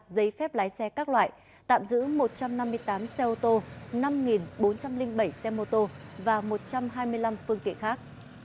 hai chín trăm ba mươi ba giấy phép lái xe các loại tạm giữ một trăm năm mươi tám xe ô tô năm bốn trăm linh bảy xe mô tô và một trăm hai mươi năm phương tiện khác